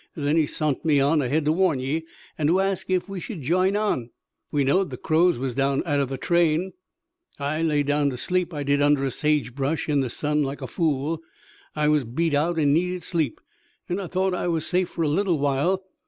Then he sont me on ahead to warn ye an' to ask ef we should jine on. We knowed the Crows was down atter the train. "I laid down to sleep, I did, under a sagebrush, in the sun, like a fool. I was beat out an' needed sleep, an' I thought I was safe fer a leetle while.